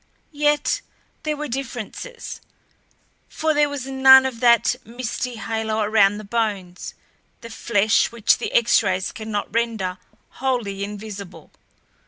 Yet there were differences, for there was none of that misty halo around the bones, the flesh which the X rays cannot render wholly invisible.